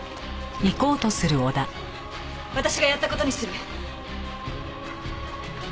私がやった事にする。